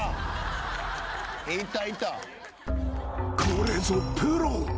［これぞプロ］